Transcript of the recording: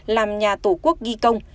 làm nhà tổ quốc ghi công